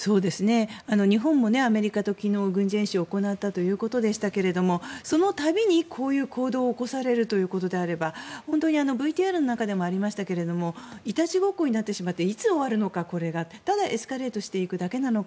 日本もアメリカと昨日軍事演習を行ったということでしたがその度にこういう行動を起こさせるということであればＶＴＲの中でもありましたがいたちごっこになってしまってこれがいつ終わるのかただエスカレートしていくだけなのか。